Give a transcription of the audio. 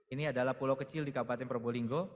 ini adalah pulau kecil di kabupaten probolinggo